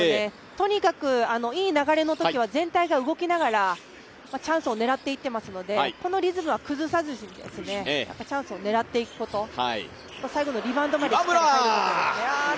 とにかくいい流れのときは全体が動きながらチャンスを狙っていっていますのでこのリズムは崩さずにチャンスを狙っていくこと最後のリバウンドまでしっかり入ることですね。